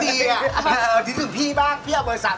คิดถึงพี่บ้างพี่เอาเบอร์๓จิ๊บเอาเบอร์๑